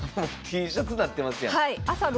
もうＴシャツなってますやん。